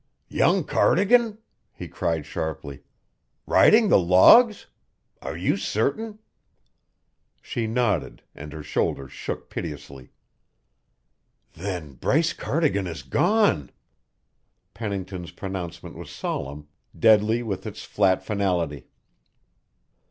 "Young Cardigan," he cried sharply. "Riding the logs? Are you certain?" She nodded, and her shoulders shook piteously. "Then Bryce Cardigan is gone!" Pennington's pronouncement was solemn, deadly with its flat finality.